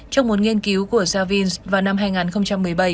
trong một nghiên cứu của savins vào năm hai nghìn một mươi bảy